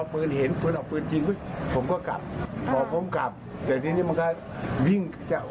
มันชักปึนเพราะชักปึนเยี่ยมผมกลับไป